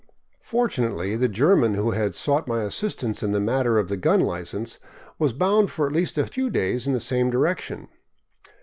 Fortunately, the German who had sought my assistance in the matter of the gun license, was bound for at least a few days in the same direc tion.